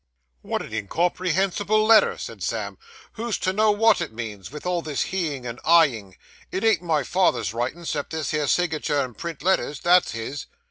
'Wot a incomprehensible letter,' said Sam; 'who's to know wot it means, vith all this he ing and I ing! It ain't my father's writin', 'cept this here signater in print letters; that's his.